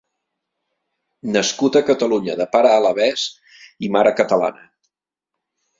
Nascut a Catalunya de pare alabès i mare catalana.